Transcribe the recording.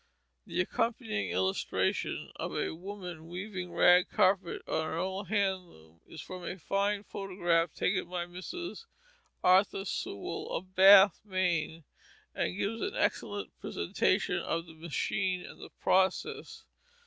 The accompanying illustration of a woman weaving rag carpet on an old hand loom is from a fine photograph taken by Mrs. Arthur Sewall of Bath, Maine, and gives an excellent presentment of the machine and the process.